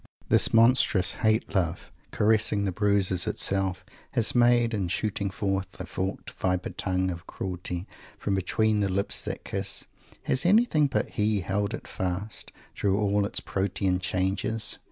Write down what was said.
This monstrous hate love, caressing the bruises itself has made, and shooting forth a forked viper tongue of cruelty from between the lips that kiss has anyone but he held it fast, through all its Protean changes?